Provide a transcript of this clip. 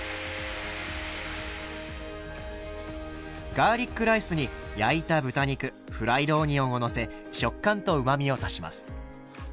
ガーリックライスに焼いた豚肉フライドオニオンをのせ食感とうまみを足します。